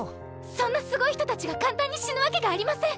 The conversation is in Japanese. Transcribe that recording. そんなすごい人たちが簡単に死ぬわけがありません！